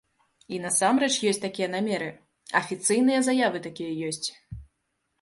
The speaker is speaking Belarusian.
І насамрэч ёсць такія намеры, афіцыйныя заявы такія ёсць.